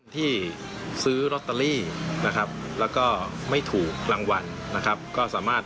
อ๋อพี่ที่ไปมีหลายใบเหรอ